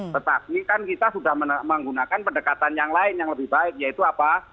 tetapi kan kita sudah menggunakan pendekatan yang lain yang lebih baik yaitu apa